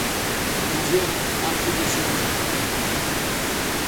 Nous verrons après déjeuner.